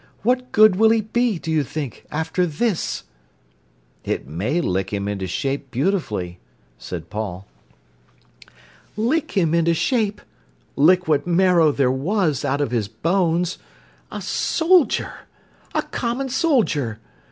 What good will he be, do you think, after this?" "It may lick him into shape beautifully," said Paul. "Lick him into shape!—lick what marrow there was out of his bones. A soldier!—a common _soldier!